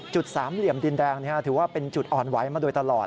สามเหลี่ยมดินแดงถือว่าเป็นจุดอ่อนไหวมาโดยตลอด